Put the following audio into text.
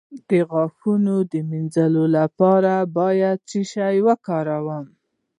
د غاښونو د مینځلو لپاره باید څه شی وکاروم؟